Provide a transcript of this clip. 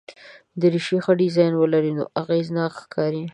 دریشي ښه ډیزاین ولري نو اغېزناک ښکاري.